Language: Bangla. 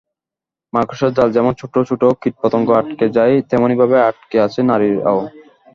মাকড়সার জালে যেমন ছোট ছোট কীটপতঙ্গ আটকে যায়, তেমনিভাবে আটকে আছে নারীরাও।